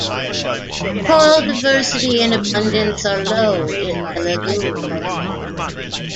Coral diversity and abundance are low in the lagoon.